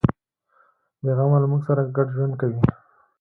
بیغمه له موږ سره ګډ ژوند کوي.